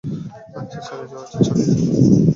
আচ্ছা, চালিয়ে যাও।